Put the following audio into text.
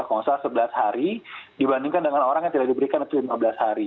kalau nggak salah sebelas hari dibandingkan dengan orang yang tidak diberikan itu lima belas hari